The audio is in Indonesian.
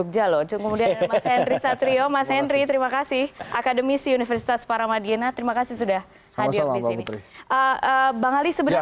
gak usah full